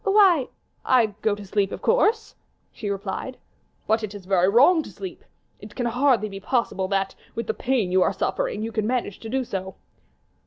"Why, I go to sleep, of course," she replied. "But it is very wrong to sleep; it can hardly be possible that, with the pain you are suffering, you can manage to do so."